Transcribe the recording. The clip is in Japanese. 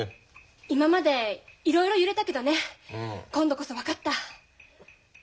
今までいろいろ揺れたけどね今度こそ分かった。